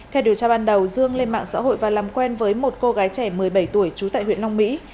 theo điều tra ban đầu dương lên mạng xã hội và làm quen với một cô gái trẻ một mươi bảy tuổi trú tại huyện long mỹ